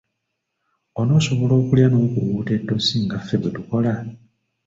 Onoosobola okulya n'okuwuuta ettosi nga ffe bwe tukola?